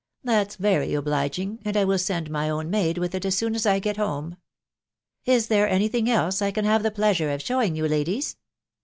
" That's very obliging, and I will send my own maid with it as soon as I get home." " Is there any thing else I can have the pleasure of showing you, ladies?"